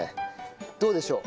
どうでしょう？